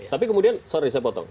tapi kemudian sorry saya potong